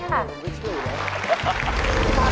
อืมวิชีวิตเลย